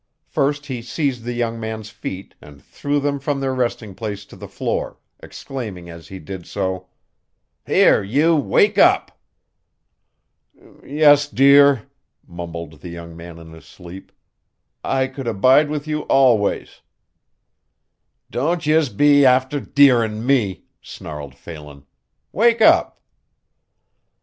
First he seized the young man's feet and threw them from their resting place to the floor, exclaiming as he did so: "Here you wake up!" "Yes, dear," mumbled the young man in his sleep, "I could abide with you always." "Don't yez be afther dearin' me," snarled Phelan. "Wake up!"